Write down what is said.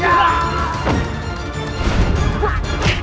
jangan lupa untuk berhenti